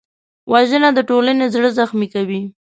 وژنه د ټولنې زړه زخمي کوي